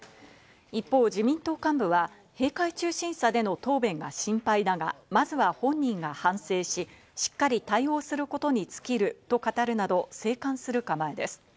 一方、自民党幹部は閉会中審査での答弁が心配だが、まずは本人が反省し、しっかり対応することに尽きると語るなど、静観する構えです。